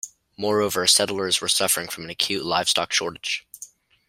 Moreover, settlers were suffering from an acute livestock shortage.